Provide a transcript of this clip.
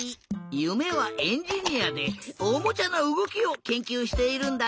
ゆめはエンジニアでおもちゃのうごきをけんきゅうしているんだって！